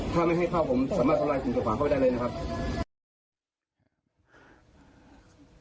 ถ้าไม่ให้เข้าผมสามารถทำลายสิ่งต่างเข้าได้เลยนะครับ